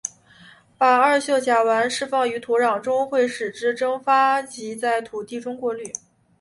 把二溴甲烷释放于土壤中会使之蒸发及在土地中过滤。